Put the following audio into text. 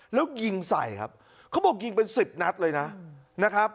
แล้วยิงใส่ครับเขาบอกยิงเป็นสิบนัดเลยนะครับ